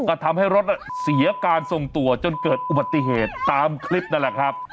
ก็ทำให้รถเสียการทรงตัวจนเกิดอุบัติเหตุตามคลิปนั่นแหละครับ